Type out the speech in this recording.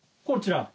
こちら？